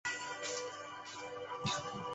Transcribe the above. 歌曲曾被许多歌手翻唱。